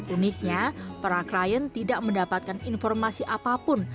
uniknya para klien tidak mendapatkan informasi apapun